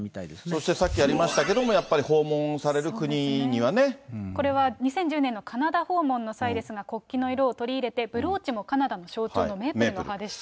そして、さっきやりましたけれども、やっぱり訪問される国にこれは２０１０年のカナダ訪問の際ですが、国旗の色を取り入れて、ブローチもカナダの象徴のメープルの葉でした。